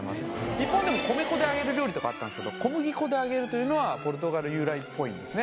日本でも米粉で揚げる料理とかあったんですけど小麦粉で揚げるというのはポルトガル由来っぽいんですね